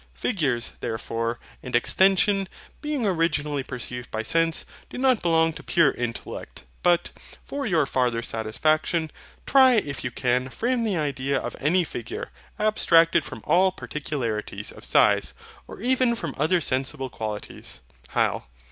Figures, therefore, and extension, being originally perceived by sense, do not belong to pure intellect: but, for your farther satisfaction, try if you can frame the idea of any figure, abstracted from all particularities of size, or even from other sensible qualities. HYL.